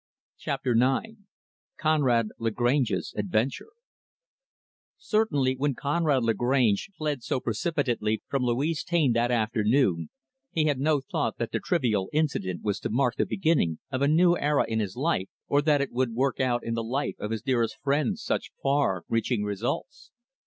Chapter IX Conrad Lagrange's Adventure Certainly, when Conrad Lagrange fled so precipitately from Louise Taine, that afternoon, he had no thought that the trivial incident was to mark the beginning of a new era in his life; or that it would work out in the life of his dearest friend such far reaching results.